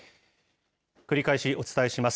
繰り返しお伝えします。